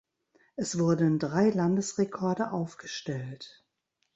Es wurden drei Landesrekorde aufgestellt.